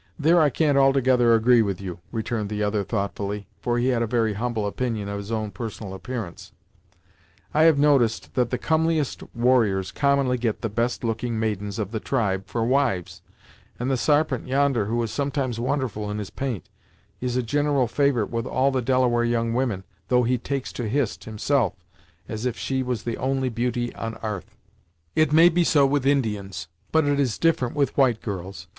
"There I can't altogether agree with you," returned the other thoughtfully, for he had a very humble opinion of his own personal appearance; "I have noticed that the comeliest warriors commonly get the best looking maidens of the tribe for wives, and the Sarpent, yonder, who is sometimes wonderful in his paint, is a gineral favorite with all the Delaware young women, though he takes to Hist, himself, as if she was the only beauty on 'arth!" "It may be so with Indians; but it is different with white girls.